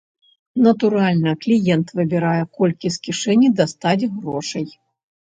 Натуральна, кліент выбірае, колькі з кішэні дастаць грошай.